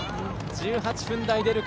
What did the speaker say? １８分台出るか。